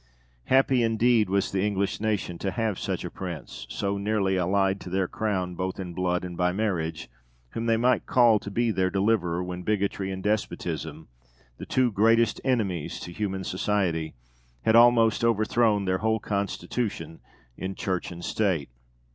Happy, indeed, was the English nation to have such a prince, so nearly allied to their Crown both in blood and by marriage, whom they might call to be their deliverer when bigotry and despotism, the two greatest enemies to human society, had almost overthrown their whole constitution in Church and State!